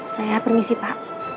saya permisi pak